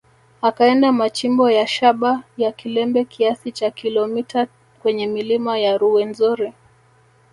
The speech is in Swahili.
Akaenda machimbo ya shaba ya Kilembe kiasi cha kilometa kwenye milima ya Ruwenzori